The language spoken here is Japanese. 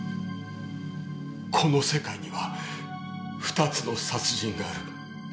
この世界には２つの殺人がある。